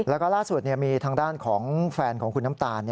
แล้วก็ล่าสุดมีทางด้านของแฟนของคุณน้ำตาล